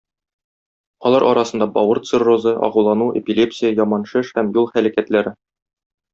Алар арасында бавыр циррозы, агулану, эпилепсия, яман шеш һәм юл һәлакәтләре.